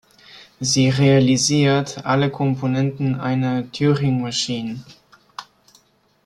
Sie realisiert alle Komponenten einer Turingmaschine.